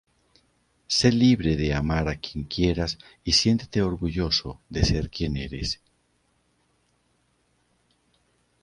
Fue sucedido en su puesto por William Croft.